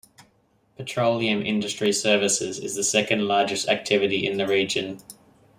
Petroleum industry services is the second largest activity in the region.